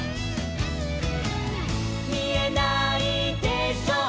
「みえないでしょう